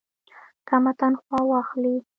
کمه تنخواه واخلي.